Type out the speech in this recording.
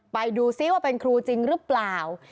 ไปดูซิว่าเป็นครูจริงหรือเปล่า